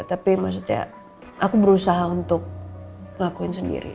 tapi maksudnya aku berusaha untuk ngelakuin sendiri